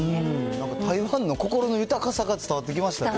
なんか台湾の心の豊かさが伝わってきましたね。